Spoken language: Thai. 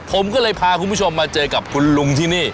ผมก็เลยพาคุณผู้ชมมาเจอกับคุณลุงที่นี่